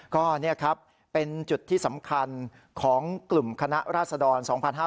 ก็นี่ครับเป็นจุดที่สำคัญของกลุ่มคณะราษฎร๒๕๕๙